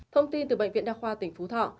thông tin từ bệnh viện đa khoa tỉnh phú thọ